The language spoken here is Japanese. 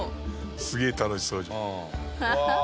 すげえ楽しそうじゃん。